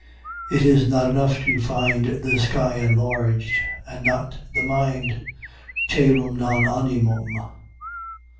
It is not enough to find the sky enlarged, and not the mind, cœlum, non animum.